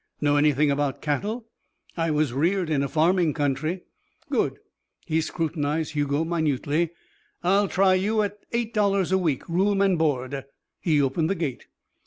"Know anything about cattle?" "I was reared in a farming country." "Good." He scrutinized Hugo minutely. "I'll try you at eight dollars a week, room, and board." He opened the gate.